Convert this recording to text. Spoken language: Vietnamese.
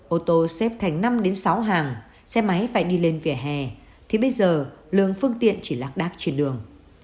ô tô xếp thành năm sáu hàng xe máy phải đi lên vỉa hè thì bây giờ lượng phương tiện chỉ lạc đác trên đường